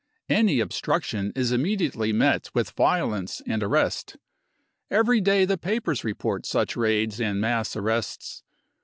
Any obstruction is immediately met with violence and arrest. Every day the papers report such raids and mass arrests.